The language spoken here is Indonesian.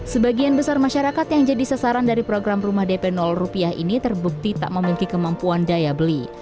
sebagian besar masyarakat yang jadi sasaran dari program rumah dp rupiah ini terbukti tak memiliki kemampuan daya beli